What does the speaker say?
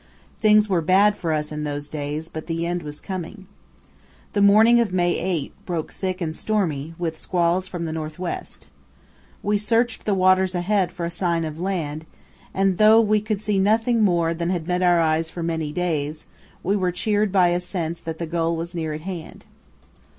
Things were bad for us in those days, but the end was coming. The morning of May 8 broke thick and stormy, with squalls from the north west. We searched the waters ahead for a sign of land, and though we could see nothing more than had met our eyes for many days, we were cheered by a sense that the goal was near at hand.